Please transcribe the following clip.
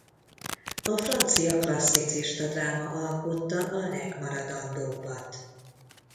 A francia klasszicista dráma alkotta a legmaradandóbbat.